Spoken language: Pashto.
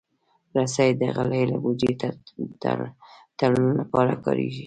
رسۍ د غلې له بوجۍ تړلو لپاره کارېږي.